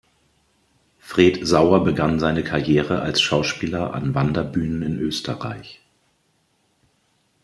Fred Sauer begann seine Karriere als Schauspieler an Wanderbühnen in Österreich.